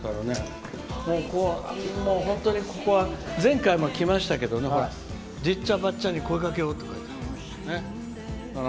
本当にここは前回も来ましたけど「じっちゃばっちゃに声かけろ」って書いてある。